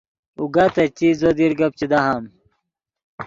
اوگا تے چیت زو دیر گپ چے دہام